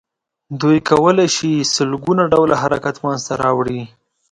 دوی کولای شي سل ګونه ډوله حرکت منځ ته راوړي.